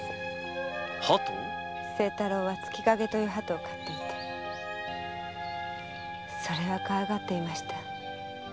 清太郎は「月影」というハトを飼っていてそれはかわいがっていました。